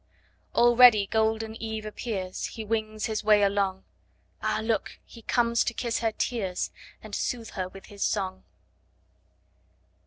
Already golden Eve appears; He wings his way along; Ah! look he comes To kiss her tears, And soothe her With his song.